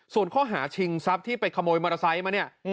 ส่วนข้อหาชิงทรัพย์ที่ไปขโมยมอเตอร์ไซค์มาเนี่ย